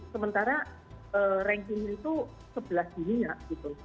sementara ranking itu sebelah dininya gitu